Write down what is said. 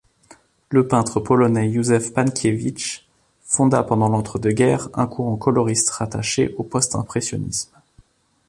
Le peintre polonais Józef Pankiewicz fonda pendant l'entre-deux-guerres un courant coloriste rattaché au post-impressionnisme.